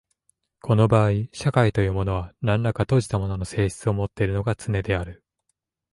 この場合社会というのは何等か閉じたものの性質をもっているのがつねである。